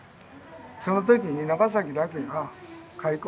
その時に長崎だけが開港してね